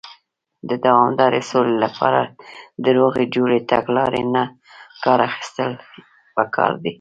د دوامدارې سولې لپاره، د روغې جوړې تګلارې نۀ کار اخيستل پکار دی.